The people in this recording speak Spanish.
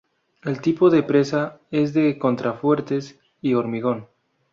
El tipo de presa es de contrafuertes y hormigón.